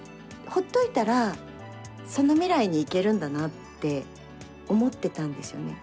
ほっといたら、その未来に行けるんだなって思ってたんですよね。